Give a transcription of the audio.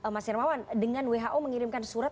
mas hermawan dengan who mengirimkan surat